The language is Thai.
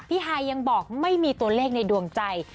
ฮายยังบอกไม่มีตัวเลขในดวงใจ